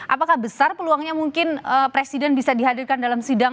apakah besar peluangnya mungkin presiden bisa dihadirkan dalam sidang